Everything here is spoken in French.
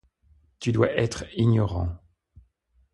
Tu dois être ignorant.